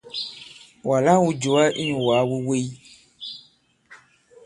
Wàlā wū jùwa inyū wàa wu wèy.